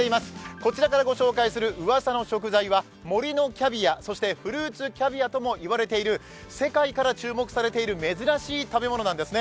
こちらから御紹介するうわさの食材は森のキャビアとも言われております、そしてフルーツキャビアともいわれている世界から注目されている珍しい食べ物なんですね。